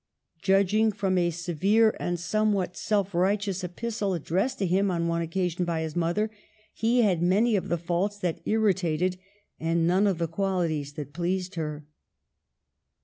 Judging from a severe and somewhat self righteous epistle addressed to him on one occa sion by his mother, he had many of the faults that irritated, and none of the qualities that pleased her.